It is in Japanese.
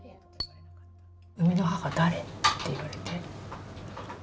生みの母、誰？って言われて。